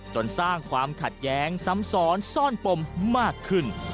จนสร้างความขัดแย้งซ้ำซ้อนซ่อนปมมากขึ้น